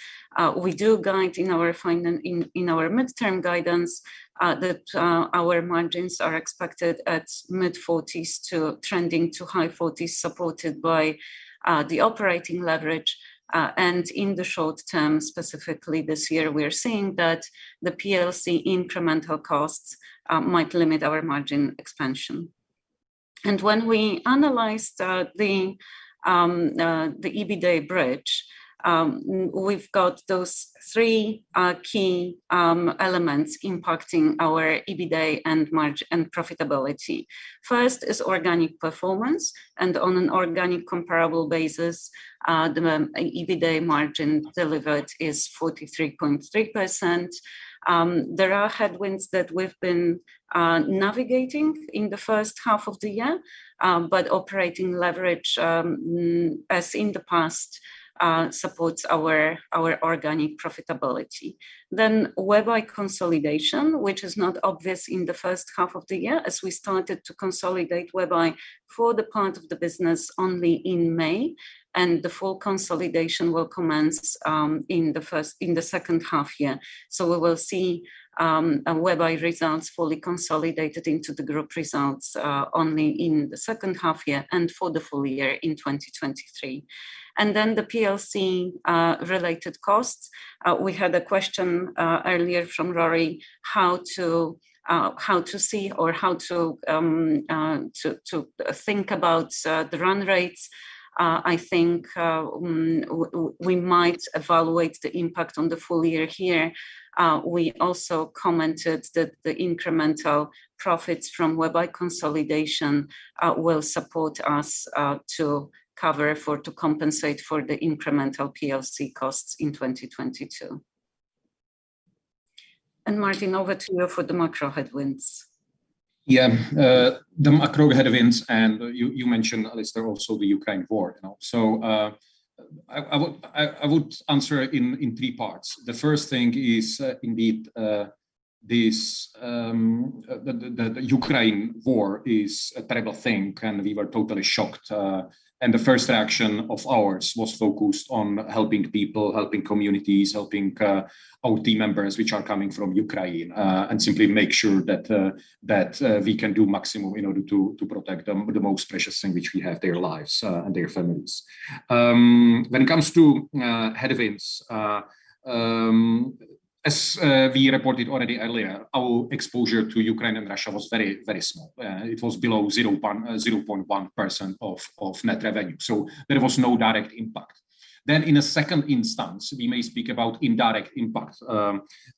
we do guide in our midterm guidance that our margins are expected at mid-40s, trending to high 40s, supported by the operating leverage. In the short term, specifically this year, we are seeing that the PLC incremental costs might limit our margin expansion. When we analyzed the EBITA bridge, we've got those three key elements impacting our EBITA and profitability. First is organic performance, and on an organic comparable basis, the margin EBITA delivered is 43.3%. There are headwinds that we've been navigating in the first half of the year, but operating leverage, as in the past, supports our organic profitability. WebEye consolidation, which is not obvious in the first half of the year, as we started to consolidate WebEye for the part of the business only in May, and the full consolidation will commence in the second half of the year. We will see WebEye results fully consolidated into the group results only in the second half of the year and for the full year in 2023. The PLC related costs, we had a question earlier from Rory how to see or how to think about the run rates. I think we might evaluate the impact on the full year here. We also commented that the incremental profits from WebEye consolidation will support us to cover for, to compensate for the incremental PLC costs in 2022. Martin, over to you for the macro headwinds. Yeah. The macro headwinds, and you mentioned at least there also the Ukraine war. I would answer in three parts. The first thing is, indeed, the Ukraine war is a terrible thing, and we were totally shocked. The first action of ours was focused on helping people, helping communities, helping our team members which are coming from Ukraine. Simply make sure that we can do maximum in order to protect them, the most precious thing which we have, their lives and their families. When it comes to headwinds, as we reported already earlier, our exposure to Ukraine and Russia was very, very small. It was below 0.1% of net revenue. There was no direct impact. In a second instance, we may speak about indirect impact,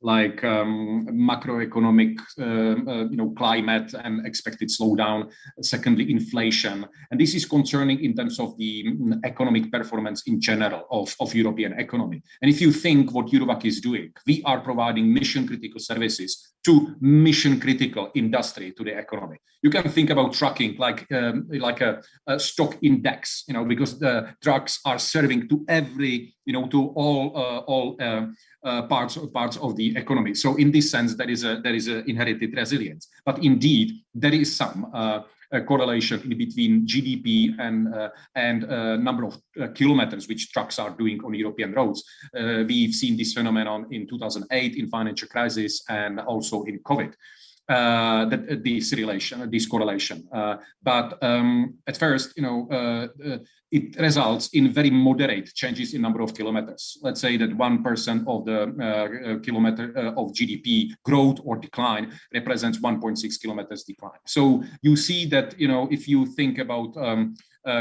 like, macroeconomic climate and expected slowdown. Secondly, inflation. This is concerning in terms of the economic performance in general of European economy. If you think what Eurowag is doing, we are providing mission critical services to mission critical industry, to the economy. You can think about trucking like a stock index. Because the trucks are serving to every to all parts of the economy. In this sense, there is inherent resilience. But indeed, there is some correlation between GDP and number of kilometers which trucks are doing on European roads. We've seen this phenomenon in 2008 in financial crisis and also in COVID. That this relation, this correlation. At first, you know, it results in very moderate changes in number of kilometers. Let's say that 1% of the kilometer of GDP growth or decline represents 1.6 km decline. You see that, you know, if you think about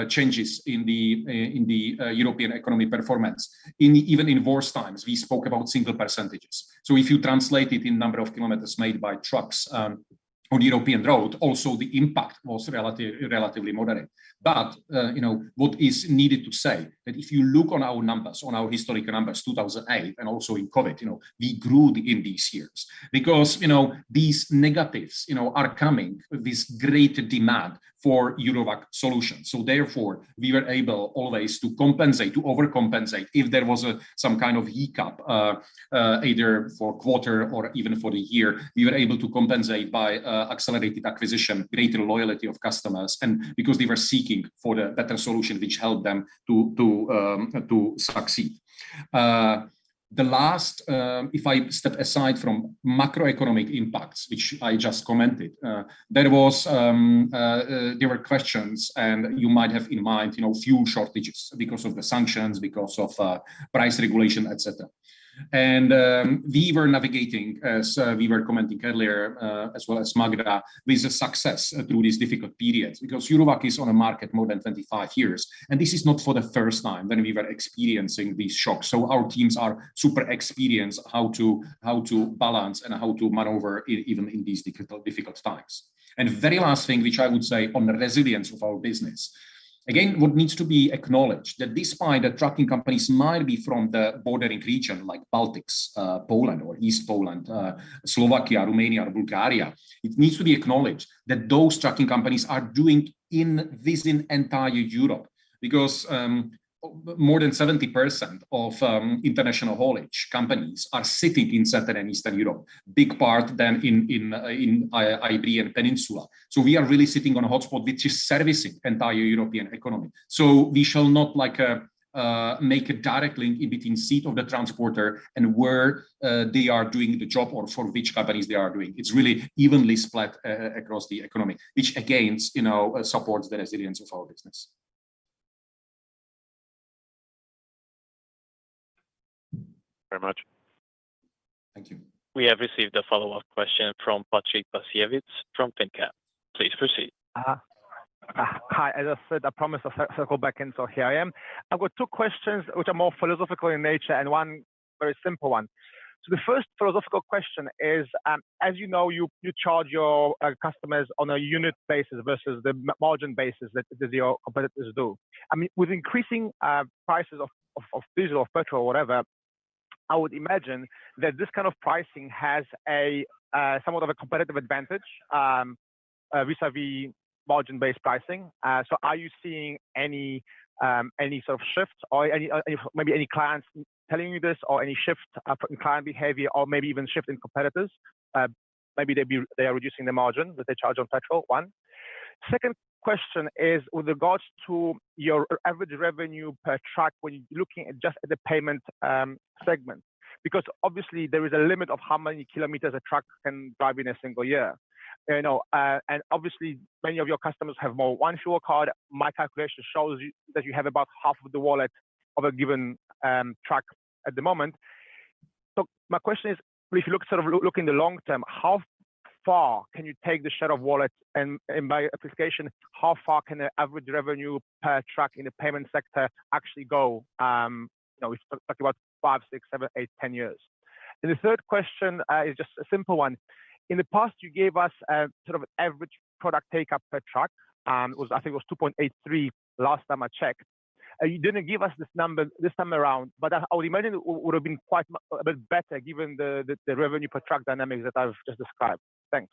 changes in the European economic performance, in even worse times, we spoke about single percentages. If you translate it in number of kilometers made by trucks on European road, also the impact was relatively moderate. You know, what is needed to say that if you look on our numbers, on our historic numbers, 2008 and also in COVID, you know, we grew in these years. You know, these negatives, you know, are coming with this great demand for Eurowag solutions. Therefore, we were able always to compensate, to overcompensate. If there was some kind of hiccup, either for a quarter or even for the year, we were able to compensate by accelerated acquisition, greater loyalty of customers, and because they were seeking for the better solution which helped them to succeed. The last, if I step aside from macroeconomic impacts, which I just commented, there were questions and you might have in mind, you know, fuel shortages because of the sanctions, because of price regulation, et cetera. We were navigating, as we were commenting earlier, as well as Magda, with success through these difficult periods. Because Eurowag is on a market more than 25 years. This is not for the first time that we were experiencing these shocks. Our teams are super experienced how to balance and how to maneuver even in these difficult times. Very last thing which I would say on the resilience of our business. Again, what needs to be acknowledged that despite that trucking companies might be from the bordering region like Baltics, Poland or eastern Poland, Slovakia, Romania or Bulgaria, it needs to be acknowledged that those trucking companies are doing in this entire Europe. Because, more than 70% of international haulage companies are sitting in Southern and Eastern Europe, big part of them in Iberian Peninsula. We are really sitting on a hotspot which is servicing entire European economy. We shall not like make a direct link in between seat of the transporter and where they are doing the job or for which companies they are doing. It's really evenly split across the economy, which again, you know, supports the resilience of our business. Thank you very much. Thank you. We have received a follow-up question from Patrick Basiewicz from finnCap. Please proceed. Hi. As I said, I promised I'd circle back in, so here I am. I've got two questions which are more philosophical in nature and one very simple one. The first philosophical question is, as you know, you charge your customers on a unit basis versus the margin basis that your competitors do. I mean, with increasing prices of diesel or petrol or whatever, I would imagine that this kind of pricing has somewhat of a competitive advantage vis-à-vis margin-based pricing. Are you seeing any sort of shifts or any if maybe any clients telling you this or any shift in client behavior or maybe even shift in competitors? Maybe they are reducing the margin that they charge on petrol. One. Second question is with regards to your average revenue per truck when you're looking at just the payment segment. Because obviously there is a limit of how many kilometers a truck can drive in a single year. You know, and obviously many of your customers have more than one fuel card. My calculation shows that you have about half of the wallet of a given truck at the moment. So my question is, if you look sort of look in the long term, how far can you take the share of wallet? And by implication, how far can the average revenue per truck in the payment sector actually go? You know, if we talk about five, six, seven, eight, 10 years. The third question is just a simple one. In the past, you gave us a sort of average product take-up per truck. It was, I think, 2.83 last time I checked. You didn't give us this number this time around, but I would imagine it would have been quite a bit better given the revenue per truck dynamics that I've just described. Thanks.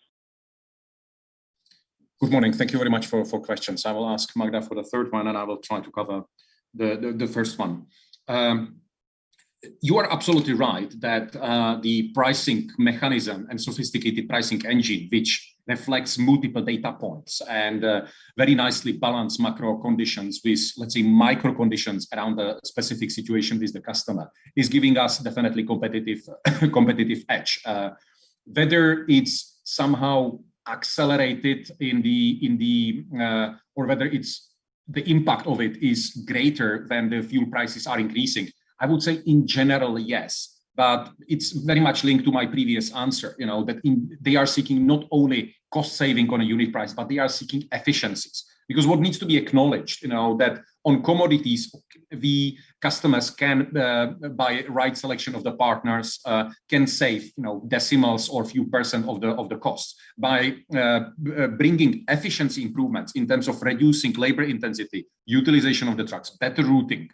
Good morning. Thank you very much for questions. I will ask Magda for the third one, and I will try to cover the first one. You are absolutely right that the pricing mechanism and sophisticated pricing engine which reflects multiple data points and very nicely balanced macro conditions with, let's say, micro conditions around the specific situation with the customer is giving us definitely competitive edge. Whether it's somehow accelerated in the, or whether the impact of it is greater than the fuel prices are increasing, I would say in general, yes, but it's very much linked to my previous answer. You know, that they are seeking not only cost saving on a unit price, but they are seeking efficiencies. Because what needs to be acknowledged, you know, that on commodities, our customers can by right selection of the partners save, you know, decimals or a few percent of the cost. By bringing efficiency improvements in terms of reducing labor intensity, utilization of the trucks, better routing,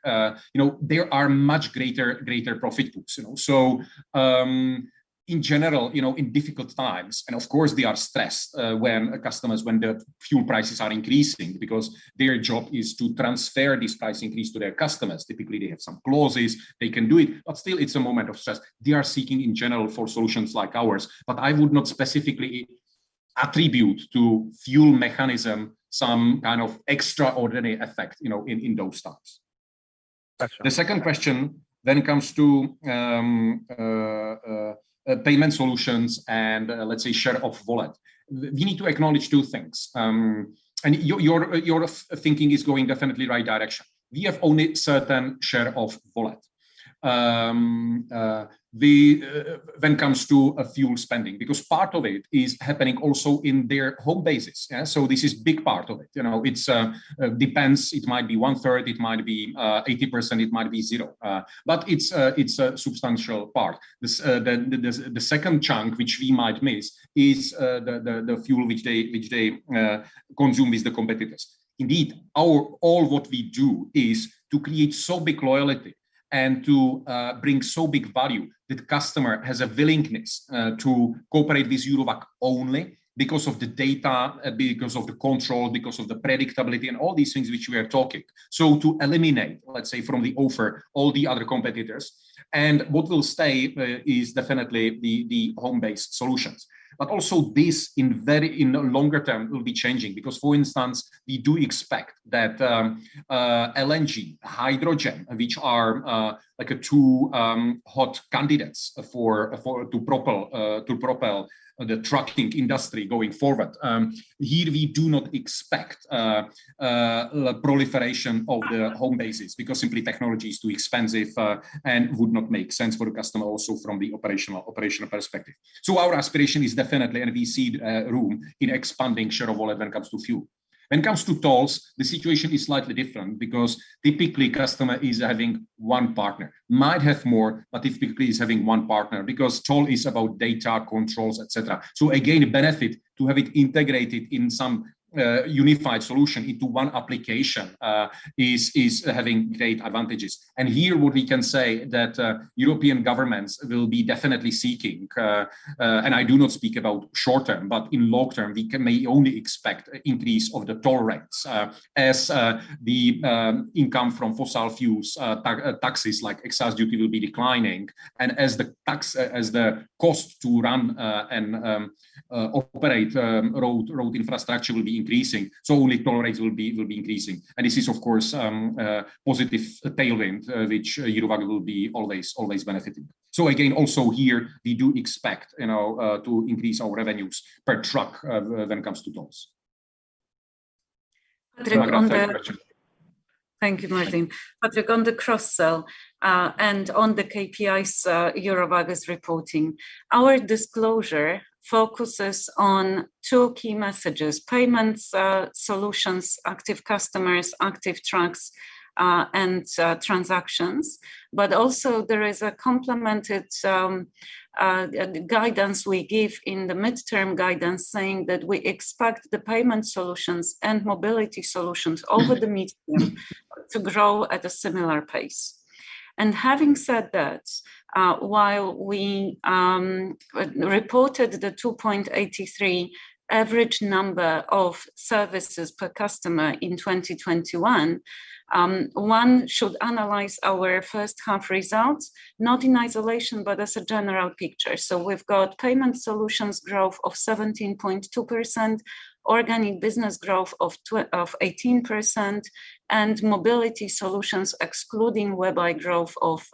you know, there are much greater profit pools, you know. In general, you know, in difficult times, and of course they are stressed when the fuel prices are increasing because their job is to transfer this price increase to their customers. Typically, they have some clauses, they can do it, but still it's a moment of stress. They are seeking in general for solutions like ours. But I would not specifically attribute to fuel mechanism some kind of extraordinary effect, you know, in those times. Excellent. The second question comes to Payment solutions and, let's say, share of wallet. We need to acknowledge two things. Your thinking is going definitely right direction. We have only certain share of wallet when it comes to fuel spending, because part of it is happening also in their home bases. Yeah? This is big part of it. You know, it depends. It might be 1/3, it might be 80%, it might be zero. But it's a substantial part. The second chunk which we might miss is the fuel which they consume with the competitors. All what we do is to create so big loyalty and to bring so big value that customer has a willingness to cooperate with Eurowag only because of the data, because of the control, because of the predictability and all these things which we are talking. To eliminate, let's say, from the offer, all the other competitors and what will stay is definitely the home-based solutions. Also this in very in longer term will be changing because, for instance, we do expect that LNG, hydrogen, which are like two hot candidates for to propel the trucking industry going forward. Here we do not expect proliferation of the home bases because simply technology is too expensive and would not make sense for the customer also from the operational perspective. Our aspiration is definitely, and we see room in expanding share of wallet when it comes to fuel. When it comes to tolls, the situation is slightly different because typically customer is having one partner. Might have more, but typically is having one partner because toll is about data controls, et cetera. Again, benefit to have it integrated in some unified solution into one application is having great advantages. Here what we can say that European governments will be definitely seeking, and I do not speak about short term, but in long term, we can may only expect increase of the toll rates, as the income from fossil fuels taxes like excise duty will be declining and as the cost to run and operate road infrastructure will be increasing, so only toll rates will be increasing. This is of course positive tailwind which Eurowag will be always benefiting. Again, also here, we do expect, you know, to increase our revenues per truck when it comes to tolls. Patrick. Magda, take the question. Thank you, Martin. Patrick, on the cross-sell, and on the KPIs Eurowag is reporting. Our disclosure focuses on two key messages: payment solutions, active customers, active trucks, and transactions. Also there is a complementary guidance we give in the medium-term guidance saying that we expect the payment solutions and mobility solutions over the medium term to grow at a similar pace. Having said that, while we reported the 2.83 average number of services per customer in 2021, one should analyze our first half results, not in isolation, but as a general picture. We've got payment solutions growth of 17.2%, organic business growth of 18%, and mobility solutions, excluding WebEye growth of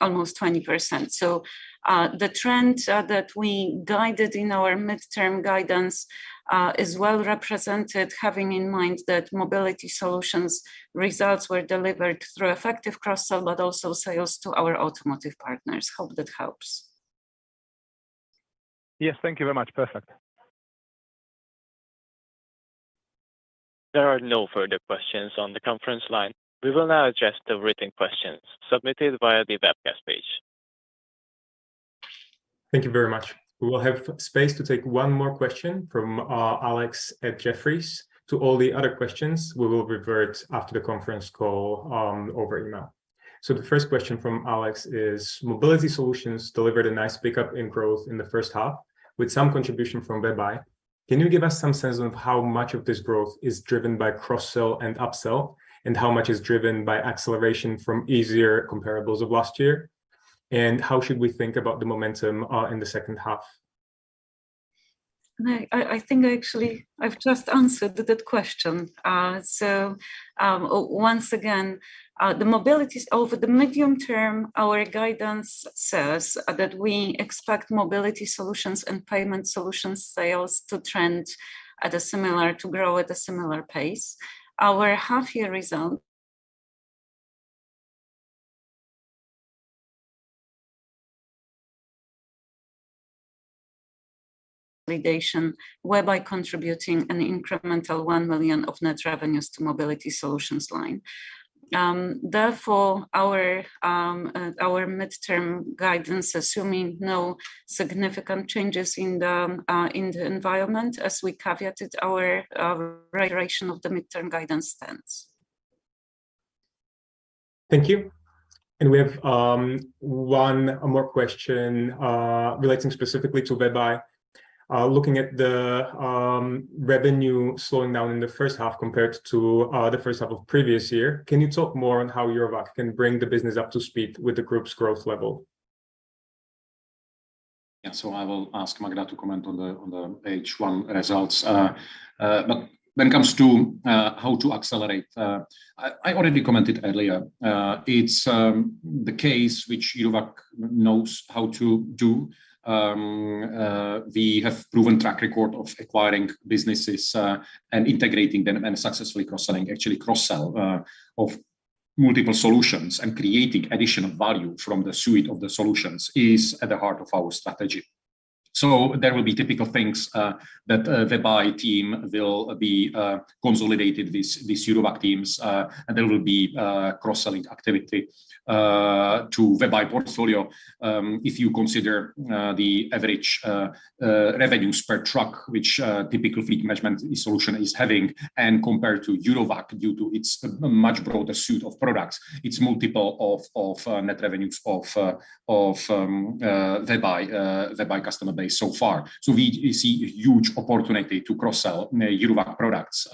almost 20%. The trend that we guided in our midterm guidance is well represented having in mind that Mobility solutions results were delivered through effective cross-sell, but also sales to our automotive partners. Hope that helps. Yes, thank you very much. Perfect. There are no further questions on the conference line. We will now address the written questions submitted via the webcast page. Thank you very much. We will have space to take one more question from Alex at Jefferies. To all the other questions, we will revert after the conference call over email. The first question from Alex is: Mobility solutions delivered a nice pickup in growth in the first half with some contribution from WebEye. Can you give us some sense of how much of this growth is driven by cross-sell and upsell, and how much is driven by acceleration from easier comparables of last year? And how should we think about the momentum in the second half? I think actually I've just answered that question. Once again, the mobility is over the medium term. Our guidance says that we expect mobility solutions and payment solutions sales to grow at a similar pace. Our half year result validation, whereby contributing an incremental 1 million of net revenues to mobility solutions line. Therefore, our midterm guidance, assuming no significant changes in the environment as we caveated our reiteration of the midterm guidance, stands. Thank you. We have one more question relating specifically to WebEye. Looking at the revenue slowing down in the first half compared to the first half of previous year. Can you talk more on how Eurowag can bring the business up to speed with the group's growth level? Yeah. I will ask Magda to comment on the H1 results. When it comes to how to accelerate, I already commented earlier. It's the case which Eurowag knows how to do. We have proven track record of acquiring businesses and integrating them and successfully cross-selling. Actually, cross-sell of multiple solutions and creating additional value from the suite of the solutions is at the heart of our strategy. There will be typical things that WebEye team will be consolidated with Eurowag teams, and there will be cross-selling activity to WebEye portfolio. If you consider the average revenues per truck, which typical fleet management solution is having, and compared to Eurowag due to its much broader suite of products, it's multiple of net revenues of WebEye customer base so far. We see a huge opportunity to cross-sell Eurowag products,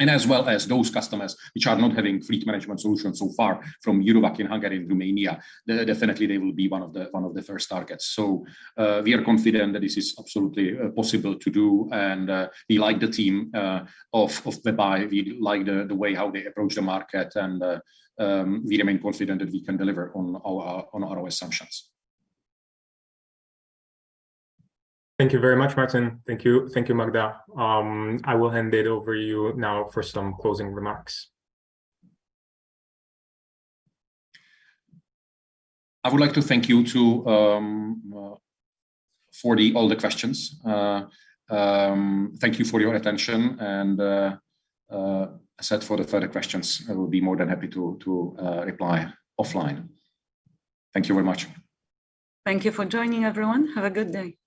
and as well as those customers which are not having fleet management solutions so far from Eurowag in Hungary and Romania. They definitely will be one of the first targets. We are confident that this is absolutely possible to do and we like the team of WebEye. We like the way how they approach the market and we remain confident that we can deliver on our assumptions. Thank you very much, Martin. Thank you. Thank you, Magda. I will hand it over you now for some closing remarks. I would like to thank you for all the questions. Thank you for your attention and accept for the further questions, I will be more than happy to reply offline. Thank you very much. Thank you for joining, everyone. Have a good day.